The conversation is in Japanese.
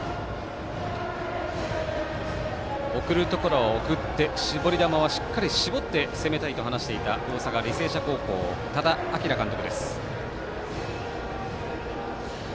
送るところは送って絞り球はしっかり絞って攻めたいと話していた大阪、履正社高校多田晃監督です。